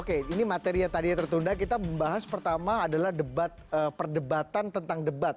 oke ini materi yang tadi tertunda kita membahas pertama adalah debat perdebatan tentang debat